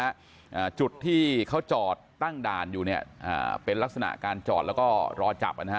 อ่าจุดที่เขาจอดตั้งด่านอยู่เนี้ยอ่าเป็นลักษณะการจอดแล้วก็รอจับอ่ะนะฮะ